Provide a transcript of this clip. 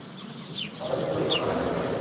সমরাদিত্যই আপনার রাজ্যের উত্তরাধিকারী।